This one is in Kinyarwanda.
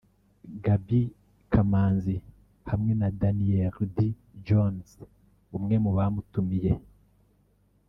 Gaby Kamanzi hamwe na Daniel Dee Jones umwe mu bamutumiye